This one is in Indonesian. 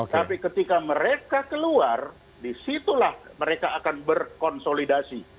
tapi ketika mereka keluar disitulah mereka akan berkonsolidasi